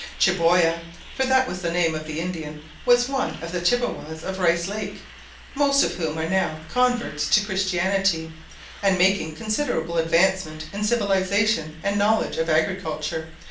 Chiboya (for that was the name of the Indian) was one of the Chippewas of Rice Lake, most of whom are now converts to Christianity, and making considerable advancement in civilisation and knowledge of agriculture.